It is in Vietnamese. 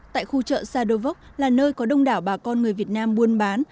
tại khu chợ sadovok là nơi có đông đảo bà con người việt nam buôn bán